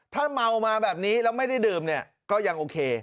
ถ้าเมามาแบบนี้แล้วไม่ได้ดื่มเนี่ยก็ยังโอเค